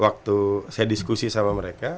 waktu saya diskusi sama mereka